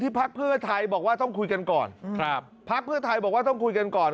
พักเพื่อไทยบอกว่าต้องคุยกันก่อนครับพักเพื่อไทยบอกว่าต้องคุยกันก่อน